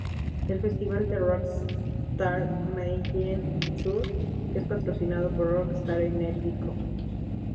El festival "The Rockstar Mayhem tour" es patrocinado por Rockstar Energy Company.